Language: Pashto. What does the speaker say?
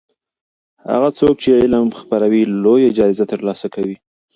هغه څوک چې علم خپروي لویه جایزه ترلاسه کوي.